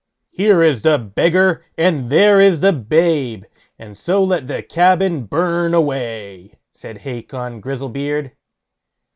"Here is the beggar, and there is the babe, and so let the cabin burn away", said Hacon Grizzlebeard.